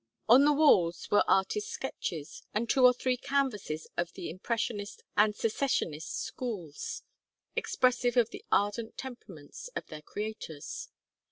On the walls were artists' sketches, and two or three canvases of the Impressionist and Secessionist schools, expressive of the ardent temperaments of their creators.